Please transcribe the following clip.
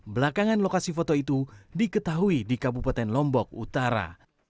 belakangan lokasi foto itu diketahui di kabupaten lombok utara